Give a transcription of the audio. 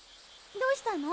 どうしたの？